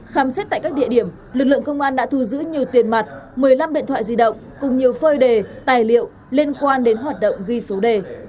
khám xét tại các địa điểm lực lượng công an đã thu giữ nhiều tiền mặt một mươi năm điện thoại di động cùng nhiều phơi đề tài liệu liên quan đến hoạt động ghi số đề